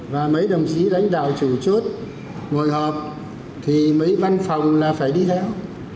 và mấy đồng chí lãnh đạo chủ chốt ngồi họp thì mấy văn phòng là phải đi theo